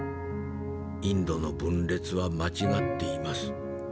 インドの分裂は間違っています。